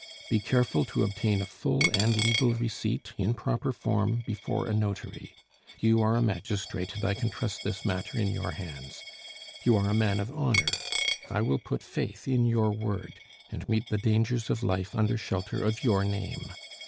Be careful to obtain a full and legal receipt, in proper form, before a notary. You are a magistrate, and I can trust this matter in your hands. You are a man of honor; I will put faith in your word, and meet the dangers of life under shelter of your name.